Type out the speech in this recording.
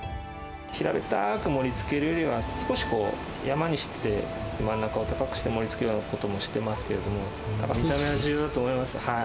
平べったく盛りつけるよりは、すこしこう山にして、真ん中を高くして盛りつけることもしてますけれども、見た目は重要だと思います。